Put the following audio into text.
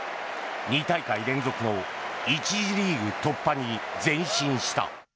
２大会連続の１次リーグ突破に前進した。